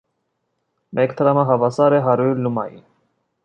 Մեկ դրամը հավասար է հարյուր լումայի։